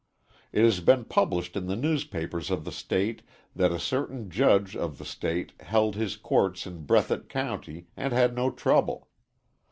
It has been published in the newspapers of the State that a certain judge of the State held his courts in Breathitt County and had no trouble.